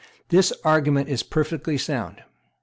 This argument is perfectly sound.